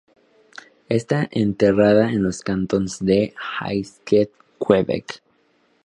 Está enterrada en los Cantons-de-l'Est de Quebec.